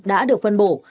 đã được phân bổ